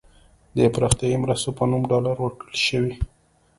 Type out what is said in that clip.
د پراختیايي مرستو په نوم ډالر ورکړل شوي.